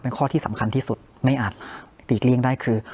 เป็นข้อที่สำคัญที่สุดไม่อาจหลีกเลี่ยงได้คือ